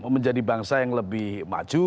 menjadi bangsa yang lebih maju